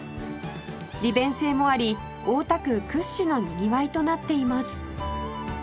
利便性もあり大田区屈指のにぎわいとなっています